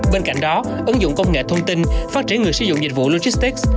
bên cạnh đó ứng dụng công nghệ thông tin phát triển người sử dụng dịch vụ logistics